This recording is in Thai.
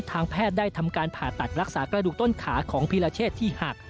ทางแพทย์ได้ทำการผ่าตัดรักษากระดูกต้นขาของพีรเชษที่หัก